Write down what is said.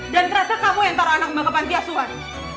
dan ternyata kamu yang taro anak mbak ke pantiasuhan